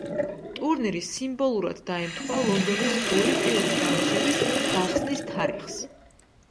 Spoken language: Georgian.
ტურნირი სიმბოლურად დაემთხვა ლონდონის ოლიმპიური თამაშების გახსნის თარიღს.